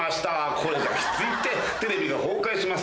これじゃきついってテレビが崩壊します